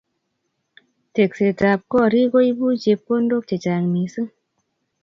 Teksetab korik koibu chepkondok chechang mising